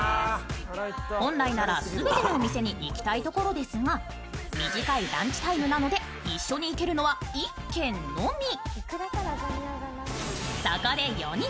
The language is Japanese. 本来なら全てのお店に行きたいところですが短いランチタイムなので、一緒に行けるのは１軒のみ。